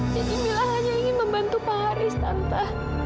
jadi mila hanya ingin membantu pak haris tante